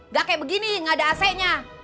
gak kayak begini gak ada aseknya